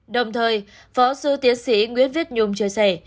đồng thời phó sư tiến sĩ nguyễn viết nhung chia sẻ